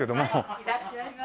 はいいらっしゃいませ。